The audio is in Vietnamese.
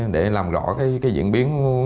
để làm rõ cái diễn biến